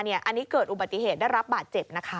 อันนี้เกิดอุบัติเหตุได้รับบาดเจ็บนะคะ